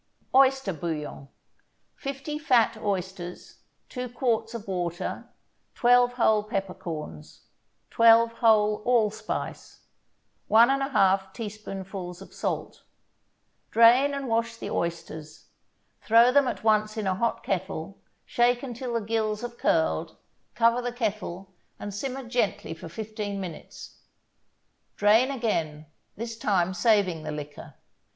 OYSTER BOUILLON 50 fat oysters 2 quarts of water 12 whole peppercorns 12 whole allspice 1 1/2 teaspoonfuls of salt Drain and wash the oysters. Throw them at once in a hot kettle, shake until the gills have curled, cover the kettle, and simmer gently for fifteen minutes. Drain again, this time saving the liquor.